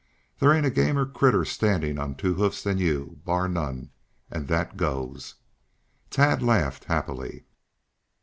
"There ain't a gamer critter standing on two hoofs than you bar none. And that goes." Tad laughed happily.